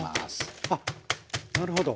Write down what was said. あっなるほど。